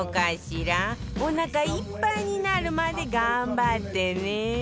おなかいっぱいになるまで頑張ってね